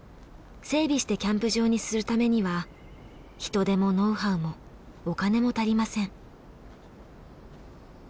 整備してキャンプ場にするためには人手もノウハウもお金も足りません。